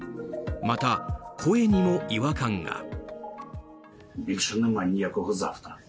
また、声にも違和感が。